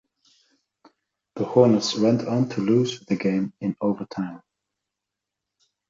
The Hornets went on to lose the game in overtime.